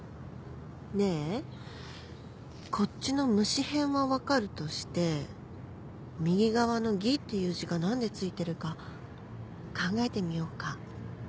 ねえこっちの虫へんは分かるとして右側の「義」っていう字が何でついてるか考えてみようか